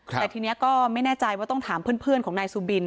แต่ทีนี้ก็ไม่แน่ใจว่าต้องถามเพื่อนของนายสุบิน